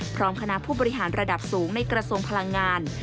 พร้อมคณะผู้บริหารระดับสูงในกระทรวงพลังงาน